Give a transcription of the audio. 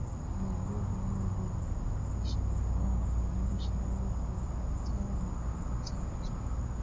Magugu maji yanasababisha madhara kwa maisha ya watu wapatao milioni tatu